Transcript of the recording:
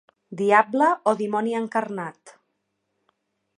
Diable o dimoni encarnat.